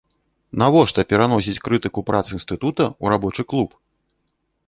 Навошта пераносіць крытыку прац інстытута ў рабочы клуб?